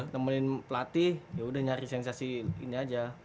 nemenin pelatih yaudah nyari sensasi ini aja